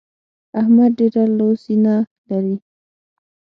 احمد ډېره لو سينه لري.